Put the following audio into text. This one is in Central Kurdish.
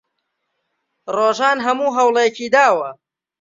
ڕۆژان هەموو هەوڵێکی داوە.